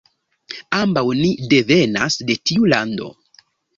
Ambaŭ ni devenas de tiu lando.